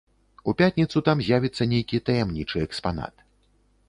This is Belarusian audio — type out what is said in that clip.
У пятніцу там з'явіцца нейкі таямнічы экспанат.